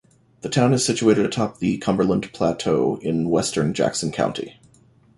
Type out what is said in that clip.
The town is situated atop the Cumberland Plateau in western Jackson County.